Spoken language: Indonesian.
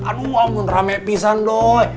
aduh amun rame pisan doi